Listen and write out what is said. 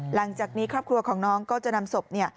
หลังจากนี้ครอบครัวของน้องก็จะนำศพ